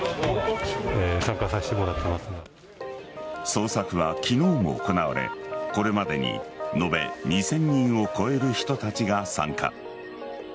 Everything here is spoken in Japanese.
捜索は、昨日も行われこれまでに延べ２０００人を超える人たちが参加。